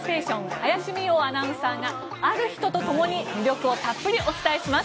林美桜アナウンサーがある人と共に魅力をたっぷりお伝えします。